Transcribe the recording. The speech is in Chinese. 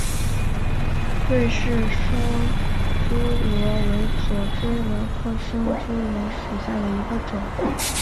芮氏双珠螺为左锥螺科双珠螺属下的一个种。